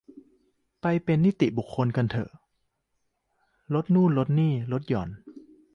ไปเป็นนิติบุคคลกันเต๊อะ ลดนู่นนี่นั่น ลดหย่อน